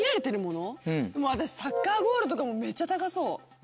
サッカーゴールとかもめっちゃ高そう。